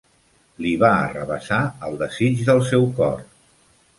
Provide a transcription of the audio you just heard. Li va arrabassar el desig del seu cor.